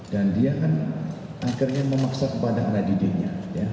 dan dia kan akhirnya memaksa kepada anak didinya